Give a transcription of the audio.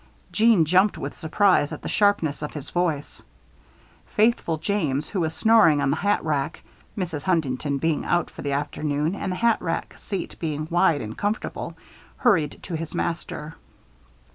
Jeanne jumped with surprise at the sharpness of his voice. Faithful James, who was snoring on the hat rack Mrs. Huntington being out for the afternoon and the hat rack seat being wide and comfortable hurried to his master.